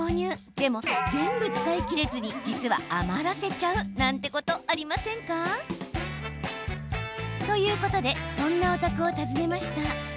でも全部使い切れずに実は余らせちゃうなんてことありませんか？ということでそんなお宅を訪ねました。